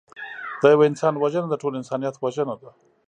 د یوه انسان وژنه د ټول انسانیت وژنه ده